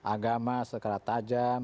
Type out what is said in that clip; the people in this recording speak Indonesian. agama secara tajam